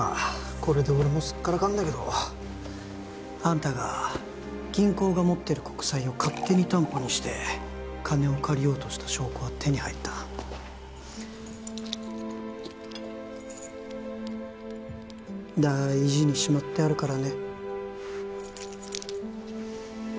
これで俺もすっからかんだけどあんたが銀行が持ってる国債を勝手に担保にして金を借りようとした証拠は手に入った大事にしまってあるからね